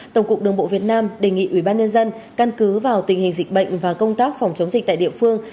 tổng cục đường bộ việt nam đề nghị ủy ban nhân dân căn cứ vào tình hình dịch bệnh và công tác phòng chống dịch tại địa phương